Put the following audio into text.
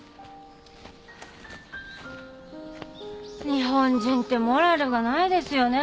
日本人ってモラルがないですよね。